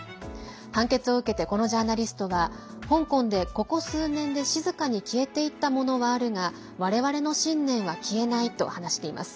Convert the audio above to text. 判決を受けてこのジャーナリストは香港で、ここ数年で静かに消えていったものはあるが我々の信念は消えないと話しています。